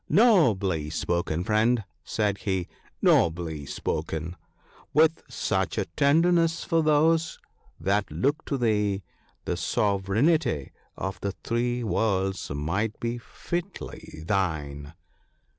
* Nobly spoken, friend/ said he, 'nobly spoken! with such a tenderness for those that look to thee, the Sove reignty of the Three Worlds might be fitly thine.'